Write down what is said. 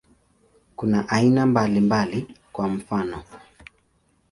Kuna aina mbalimbali, kwa mfano.